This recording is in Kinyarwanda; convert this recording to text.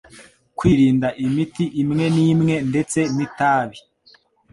Kwirinda imiti imwe n'imwe ndetse n'itabi